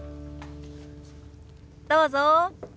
どうぞ。